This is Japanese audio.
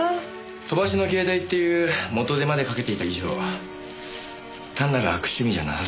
飛ばしの携帯っていう元手までかけていた以上は単なる悪趣味じゃなさそうですね。